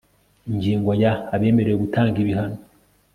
ingingo ya abemerewe gutanga ibihano